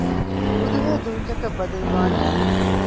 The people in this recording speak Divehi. އުދުހޭ ދޫންޏަކަށް ބަދަލުވާނެ